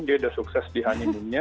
dia sudah sukses di animumnya